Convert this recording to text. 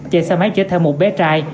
chạy xa máy chở theo một bé trai